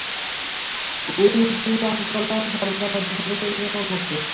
উইকিসংকলন সর্বদা নতুন সদস্যদের জন্য উন্মুক্ত।